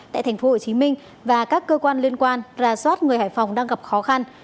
tại thành phố hồ chí minh và các cơ quan liên quan ra soát người hải phòng đang gặp khó khăn